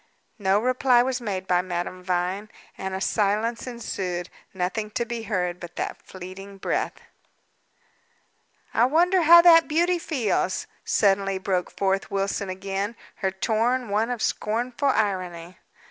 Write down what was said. No reply was made by Madame Vine, and a silence ensued; nothing to be heard but that fleeting breath. "I wonder how that beauty feels?" suddenly broke forth Wilson again, her tone one of scornful irony.